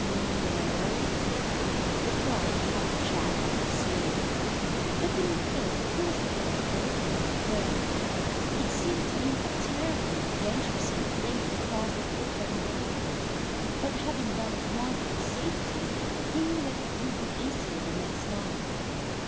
"No o," replied Happy Jack, slowly. The truth is, he was still a little afraid. It seemed to him a terribly venturesome thing to cross that open dooryard, but having done it once in safety, he knew that it would be easier the next time.